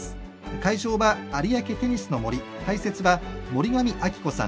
会場は有明テニスの森解説は森上亜希子さん。